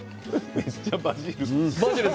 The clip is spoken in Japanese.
めっちゃバジル。